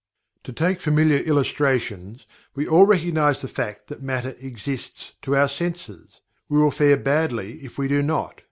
To take familiar illustrations, we all recognize the fact that matter "exists" to our senses we will fare badly if we do not.